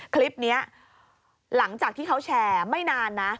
คลิปนี้หลังจากที่เขาแชร์ไม่นานนะ